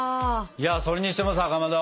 それにしてもさかまど。